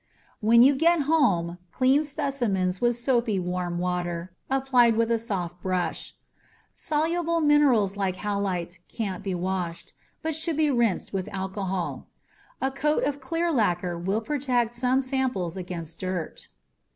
When you get home, clean specimens with soapy, warm water, applied with a soft brush. Soluble minerals like halite can't be washed, but should be rinsed with alcohol. A coat of clear lacquer will protect some samples against dirt.